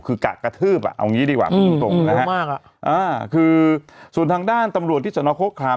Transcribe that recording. คือกะกระทืบอ่ะเอางี้ดีกว่าอืมอืมมากอ่าคือส่วนทางด้านตำรวจที่ส่อนออกโครคคลาม